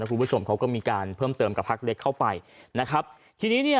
คุณผู้ชมเขาก็มีการเพิ่มเติมกับพักเล็กเข้าไปนะครับทีนี้เนี่ย